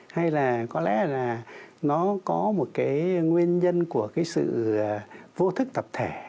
hay là có lẽ là nó có một cái nguyên nhân của cái sự vô thức tập thể